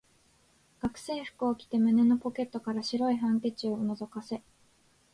学生服を着て、胸のポケットから白いハンケチを覗かせ、